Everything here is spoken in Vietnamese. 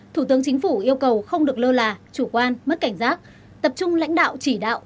thủ tướng chính phủ yêu cầu không được lơ là chủ quan mất cảnh giác tập trung lãnh đạo chỉ đạo